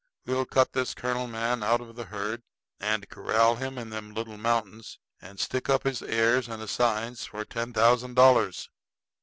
We'll cut this colonel man out of the herd, and corral him in them little mountains, and stick up his heirs and assigns for ten thousand dollars."